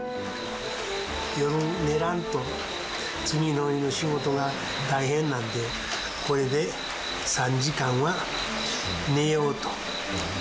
夜寝らんと次の日の仕事が大変なんでこれで３時間は寝ようと。